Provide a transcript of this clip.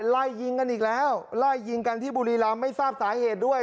ไล่ยิงกันอีกแล้วไล่ยิงกันที่บุรีรำไม่ทราบสาเหตุด้วย